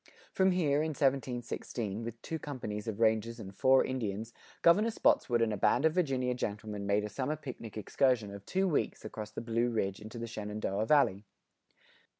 From here, in 1716, with two companies of rangers and four Indians, Governor Spotswood and a band of Virginia gentlemen made a summer picnic excursion of two weeks across the Blue Ridge into the Shenandoah Valley.